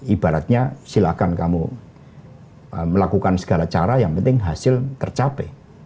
ibaratnya silakan kamu melakukan segala cara yang penting hasil tercapai